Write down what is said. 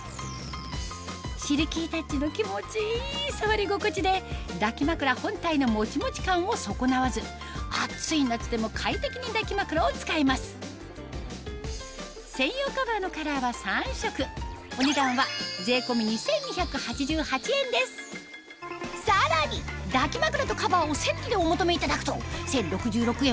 シルキータッチの気持ちいい触り心地で抱き枕本体のもちもち感を損なわず暑い夏でも快適に抱き枕を使えます専用カバーのカラーは３色お値段はさらに抱き枕とカバーをセットでお求めいただくと１０６６円